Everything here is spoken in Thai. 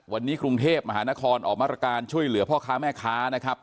วันนี้กรุงเทพมหานครออกมาตรการช่วยเหลือพ่อค้าแม่ค้านะครับ